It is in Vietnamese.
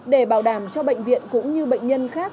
để bảo đảm cho bệnh viện cũng như bệnh nhân khác